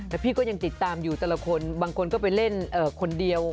แต่พี่ก็ยังติดตามอยู่แต่ละคนบางคนก็ไปเล่นคนเดียว